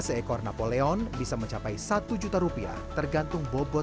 harga seekor napoleon bisa mencapai satu juta rupiah tergantung bobot dan ukuran